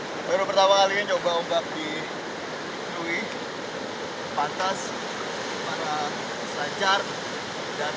kami telah tebaskan bruce ke lebih jauh menggunakan gigimbook di atas kanrrat